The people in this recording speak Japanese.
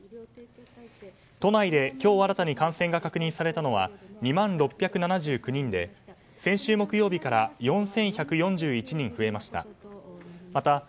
都内で今日新たに感染が確認されたのは２万６７９人で先週木曜日から４１４１人増えました。